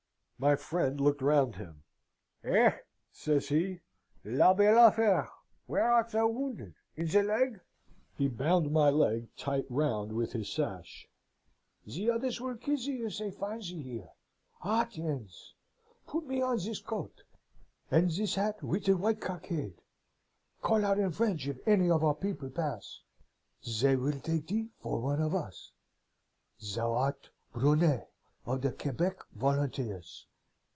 "My friend looked round him. 'Eh!' says he, 'la belle affaire! Where art thou wounded? in the leg?' He bound my leg tight round with his sash. 'The others will kill thee if they find thee here. Ah, tiens! Put me on this coat, and this hat with the white cockade. Call out in French if any of our people pass. They will take thee for one of us. Thou art Brunet of the Quebec Volunteers.